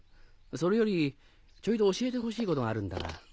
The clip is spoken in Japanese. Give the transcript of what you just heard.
それよりちょいと教えてほしいことがあるんだが。